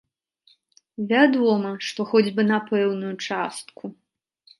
Вядома, што хоць бы на пэўную частку.